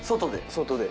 外で。